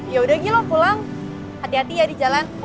yaudah gilong pulang hati hati ya di jalan